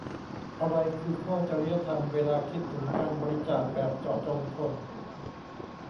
อะไรคือข้อจริยธรรมเวลาคิดถึงการบริจาคแบบเจาะจงคน